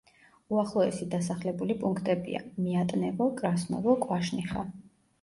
უახლოესი დასახლებული პუნქტებია: მიატნევო, კრასნოვო, კვაშნიხა.